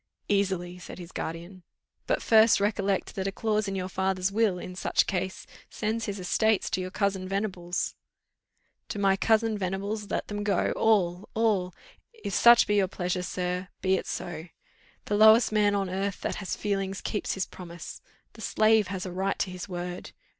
"Easily," said his guardian. "But first, recollect that a clause in your father's will, in such case, sends his estates to your cousin Venables." "To my cousin Venables let them go all all; if such be your pleasure, sir, be it so. The lowest man on earth that has feeling keeps his promise. The slave has a right to his word!